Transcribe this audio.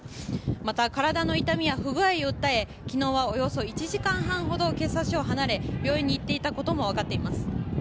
また、体の痛みや不具合を訴え昨日はおよそ１時間半ほど警察署を離れ病院に行っていたこともわかっています。